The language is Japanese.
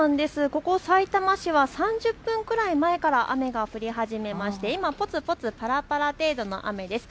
ここさいたま市は３０分くらい前から雨が降り始めていまして今、ぽつぽつぱらぱら程度の雨です。